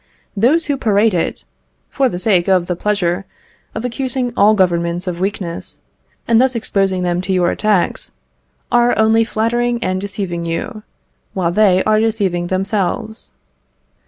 Those who parade it, for the sake of the pleasure of accusing all Governments of weakness, and thus exposing them to your attacks, are only flattering and deceiving you, while they are deceiving themselves.